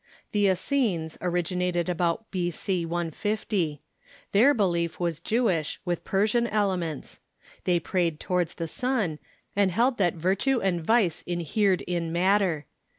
The Essenes originated about b.c. 150. Their belief was Jewish, with Persian elements. They prayed towards the sun, and held that virtue and vice inhered in matter.